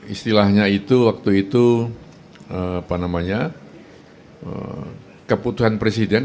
istilahnya itu waktu itu keputusan presiden